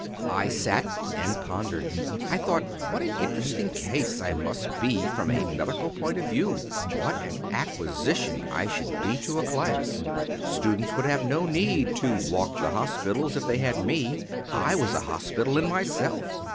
I sat and pondered. I thought what an interesting case I must be from a medical point of view, what an acquisition I should be to a class! Students would have no need to "walk the hospitals," if they had me. I was a hospital in myself.